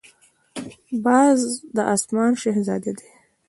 باز د آسمان شهزاده دی